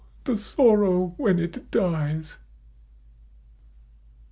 the sorrow when it dies.